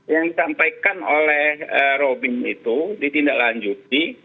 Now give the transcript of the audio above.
yang disampaikan oleh robin itu ditindaklanjuti